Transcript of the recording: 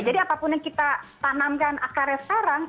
jadi apapun yang kita tanamkan akarnya sekarang